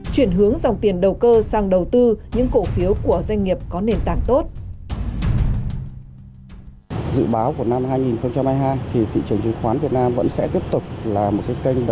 chuyển hướng dòng tiền đầu cơ sang đầu tư những cổ phiếu của doanh nghiệp có nền tảng tốt